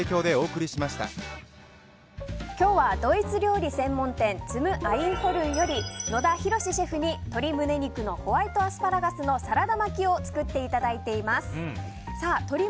今日はドイツ料理専門店ツム・アインホルンより野田浩資シェフに鶏胸肉とホワイトアスパラガスのサラダ巻きを作っていただいています。